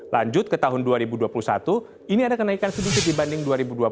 lanjut ke tahun dua ribu dua puluh satu ini ada kenaikan sedikit dibanding dua ribu dua puluh satu